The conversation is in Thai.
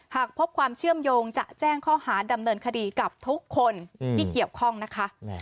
หากพบความเชื่อมโยงจะแจ้งข้อหาดำเนินคดีกับทุกคนที่เกี่ยวข้องนะคะ